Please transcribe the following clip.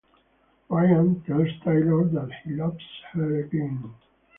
Ryan tells Taylor that he loves her again.